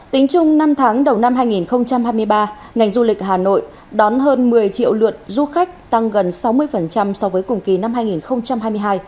tính chung năm tháng đầu năm hai nghìn hai mươi ba ngành du lịch hà nội đón hơn một mươi triệu lượt du khách tăng gần sáu mươi so với cùng kỳ năm hai nghìn hai mươi hai